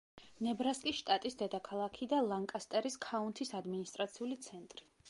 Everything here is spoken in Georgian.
ნებრასკის შტატის დედაქალაქი და ლანკასტერის ქაუნთის ადმინისტრაციული ცენტრი.